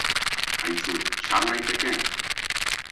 Aizu, sar naiteke?